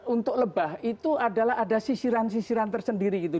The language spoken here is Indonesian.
untuk lebah itu adalah ada sisiran sisiran tersendiri gitu